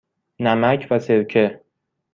نمک و سرکه.